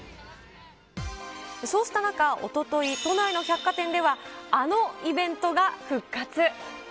そうした中、おととい、都内の百貨店では、あのイベントが復活。